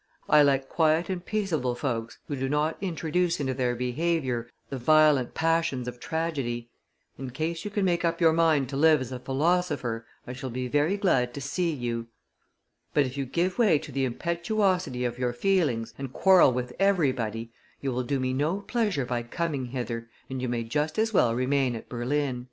I like quiet and peaceable folks who do not introduce into their behavior the violent passions of tragedy; in case you can make up your mind to live as a philosopher, I shall be very glad to see you; but, if you give way to the impetuosity of your feelings and quarrel with everybody, you will do me no pleasure by coming hither and you may just as well remain at Berlin."